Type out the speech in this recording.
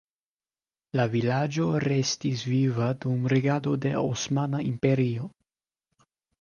La vilaĝo restis viva dum regado de Osmana Imperio.